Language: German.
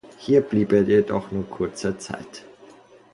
Hier blieb er jedoch nur kurze Zeit.